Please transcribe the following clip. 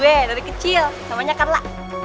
gue dari kecil namanya karla